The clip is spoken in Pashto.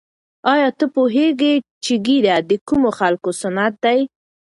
آیا ته پوهېږې چې ږیره د کومو خلکو سنت دی؟